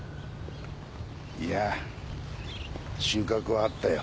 いや収穫はあったよ。